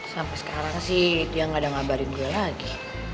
sampai sekarang sih dia nggak ada ngabarin gue lagi